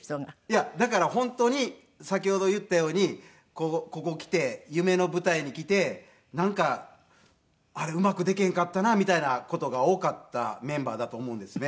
いやだから本当に先ほど言ったようにここ来て夢の舞台に来てなんかあれうまくできへんかったなみたいな事が多かったメンバーだと思うんですね。